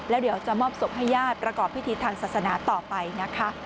แล้วเดี๋ยวจะมอบศพให้ญาติประกอบพิธีทางศาสนาต่อไปนะคะ